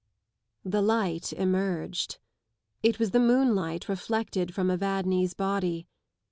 The light emerged. It was the moonlight reflected from Evadne's body.